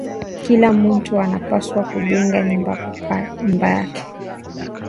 Kila muntu ana pashwa ku jenga nyumba yake